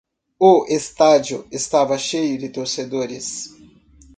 Os estádio estava cheio de torcedores